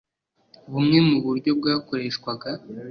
bumwe muburyo bwakoreshwaga